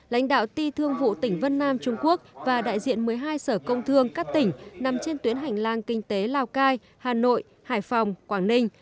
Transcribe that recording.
lãnh đạo ti thương vụ tỉnh vân nam trung quốc và đại diện một mươi hai sở công thương các tỉnh nằm trên tuyến hành lang kinh tế lào cai hà nội hải phòng quảng ninh